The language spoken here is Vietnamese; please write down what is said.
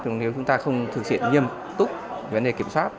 nếu chúng ta không thực hiện nghiêm túc vấn đề kiểm soát